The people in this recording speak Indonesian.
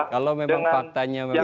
kalau memang faktanya memang